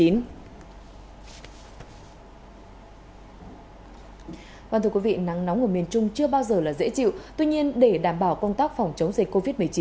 nóng ở miền trung chưa bao giờ là dễ chịu tuy nhiên để đảm bảo công tác phòng chống dịch covid một mươi chín